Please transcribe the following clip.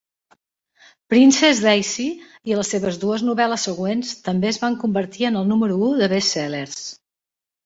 "Princess Daisy" i les seves dues novel·les següents també es van convertir en el número u de best-sellers.